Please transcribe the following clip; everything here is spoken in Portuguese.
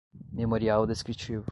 memorial descritivo